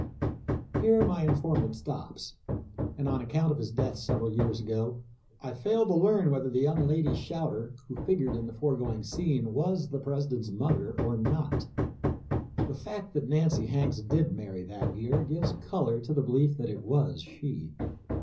Here my informant stops, and on account of his death several years ago I failed to learn whether the young lady shouter who figured in the foregoing scene was the President's mother or not. The fact that Nancy Hanks did marry that year gives color to the belief that it was she.